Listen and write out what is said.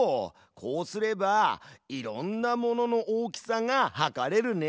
こうすればいろんなものの大きさがはかれるね。